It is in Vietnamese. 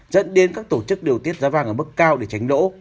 dẫn đến các tổ chức điều tiết giá vàng ở mức cao để tránh lỗ